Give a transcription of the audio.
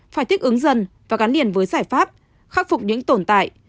phải thích ứng dần và gắn liền với giải pháp khắc phục những tồn tại